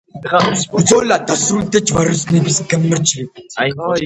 ბრძოლა დასრულდა ჯვაროსნების გამარჯვებით.